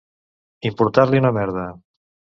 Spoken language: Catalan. Importar-li una merda.